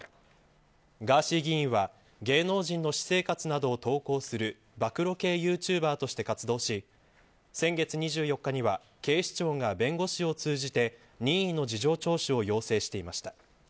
ガーシー議員は、芸能人の私生活などを投稿する暴露系ユーチューバーとして活動し先月２４日には警視庁が弁護士を通じて任意の事情聴取を要請していました。